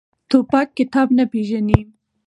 توپک کتاب نه پېژني.